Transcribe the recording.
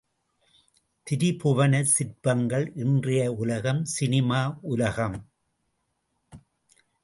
திரிபுவனச் சிற்பங்கள் இன்றைய உலகம் சினிமா உலகம்.